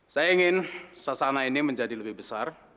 saya ingin sasana ini menjadi lebih besar